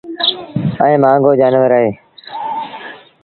ائيٚݩ مهآݩگو جآݩور اهي